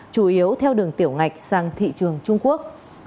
chủ yếu theo đường tiểu ngạch sang thị trường trung quốc